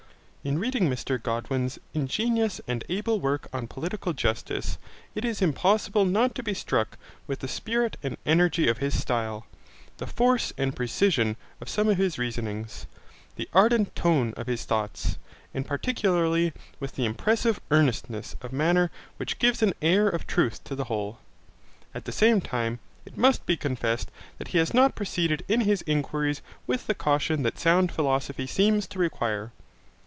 In reading Mr Godwin's ingenious and able work on political justice, it is impossible not to be struck with the spirit and energy of his style, the force and precision of some of his reasonings, the ardent tone of his thoughts, and particularly with that impressive earnestness of manner which gives an air of truth to the whole. At the same time, it must be confessed that he has not proceeded in his inquiries with the caution that sound philosophy seems to require.